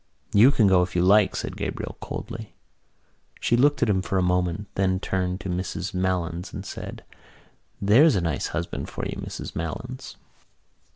"You can go if you like," said Gabriel coldly. She looked at him for a moment, then turned to Mrs Malins and said: "There's a nice husband for you, Mrs Malins."